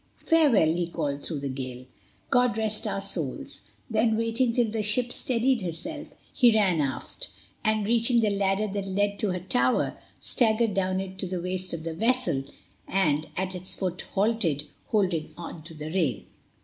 "Farewell," he called through the gale. "God rest our souls!" Then, waiting till the ship steadied herself, he ran aft, and reaching the ladder that led to her tower, staggered down it to the waist of the vessel, and at its foot halted, holding to the rail.